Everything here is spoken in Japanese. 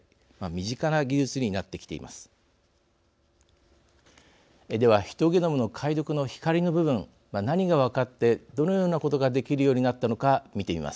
身近な技術になってきています。